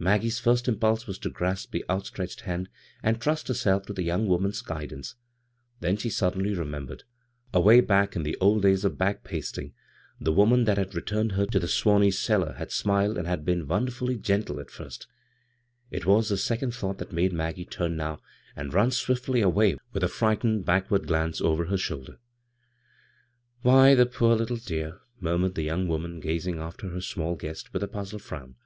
Maggie's first im pulse was to grasp the outstretched hand and trust herself to the young woman's guid ance ; then she suddenly remembered : away back in the old days ol bag pasting, th» woman that had returned her to the Swaney cellar had smiled and had been wonderfully gentle — at first It was this second thought that made Maggie turn now and run swifdy away with a hightened backward glance over her shoulder. '■ Why, the poor little dear I " murmured the young woman, gazing after her small guest with a puzzled frown.